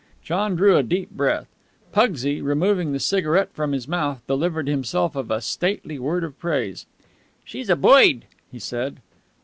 John drew a deep breath. Pugsy, removing the cigarette from his mouth, delivered himself of a stately word of praise. "She's a boid," he said.